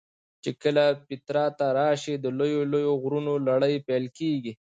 چې کله پیترا ته راشې د لویو لویو غرونو لړۍ پیل کېږي.